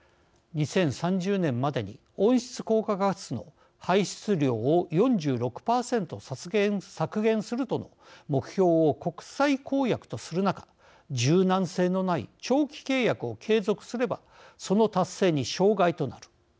２０３０年までに温室効果ガスの排出量を４６％削減するとの目標を国際公約とする中柔軟性のない長期契約を継続すればその達成に障害となる。